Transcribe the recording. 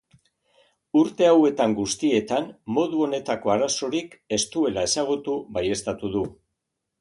Urte hauetan guztietan modu honetako arazorik ez duela ezagutu baieztatu du.